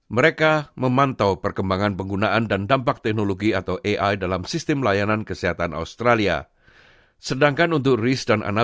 mereka memantau perkembangan penggunaan dan dampak teknologi atau ai dalam sistem teknologi yang berkelanjutan terhadap kesehatan yang berkelanjutan di dunia